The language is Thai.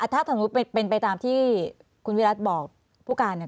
ถ้าสมมุติเป็นไปตามที่คุณวิรัติบอกผู้การเนี่ย